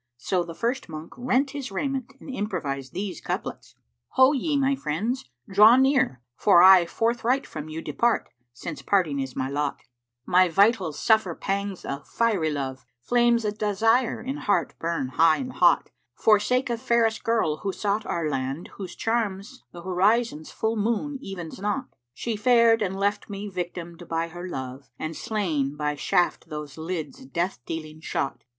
So the first monk rent his raiment and improvised these couplets, "Ho ye, my friends, draw near, for I forthright * From you depart, since parting is my lot: My vitals suffer pangs o' fiery love; * Flames of desire in heart burn high and hot, For sake of fairest girl who sought our land * Whose charms th' horizon's full moon evens not. She fared and left me victimed by her love * And slain by shaft those lids death dealing shot."